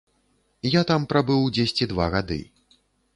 Я там прабыў дзесьці два гады.